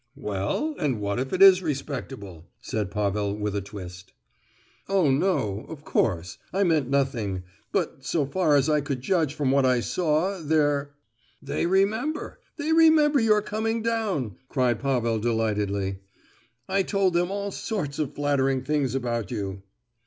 "Well, and what if it is respectable?" said Pavel, with a twist. "Oh, no—of course, I meant nothing; but, so far as I could judge from what I saw, there——" "They remember—they remember your coming down," cried Pavel delightedly. "I told them all sorts of flattering things about you."